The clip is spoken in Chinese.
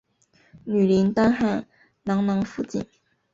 女林丹汗囊囊福晋。